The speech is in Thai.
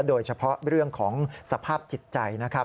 โดยเฉพาะเรื่องของสภาพจิตใจนะครับ